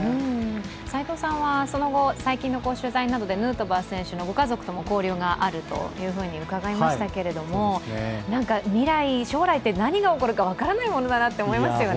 斎藤さんはその後、最近の取材などでヌートバー選手のご家族とも交流があると伺いましたけれども、未来、将来って何が起きるか分からないって思いますよね。